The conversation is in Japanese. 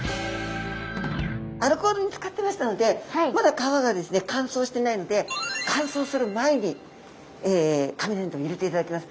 アルコールにつかってましたのでまだ皮がですね乾燥してないので乾燥する前に紙粘土いれていただきます。